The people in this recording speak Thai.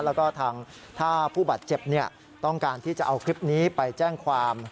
แล้วก็ทางถ้าผู้บาดเจ็บต้องการที่จะเอาคลิปนี้ไปแจ้งความ